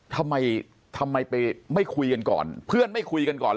ทำไมทำไมไปไม่คุยกันก่อนเพื่อนไม่คุยกันก่อน